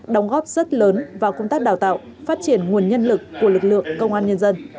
đóng góp rất lớn vào công tác đào tạo phát triển nguồn nhân lực của lực lượng công an nhân dân